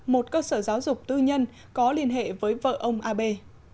một cơ sở giáo dục tư nhân có liên hệ với vợ ông ab